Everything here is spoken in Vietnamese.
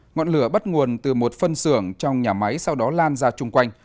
ngọn lửa bắt nguồn từ một phân xưởng trong nhà máy sau đó lan ra chung quanh